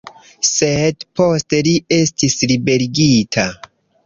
Sed poste li estis liberigita.